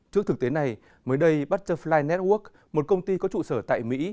trước thực tế này mới đây butterfly network một công ty có trụ sở tại mỹ